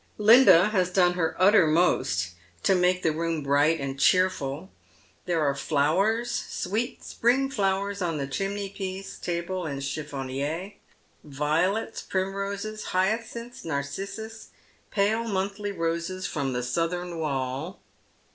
Linda has done her uttermost to make the room bright and cheerful. There are flowers, sweet spring flowers on the cJiimney piece, table, and chiflEonier ; violets, primroses, hj^acinths, narcissus, pale monthly roses from the southern wall.